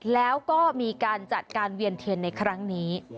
แล้วก็มีการจัดการเวียนเทียนในครั้งนี้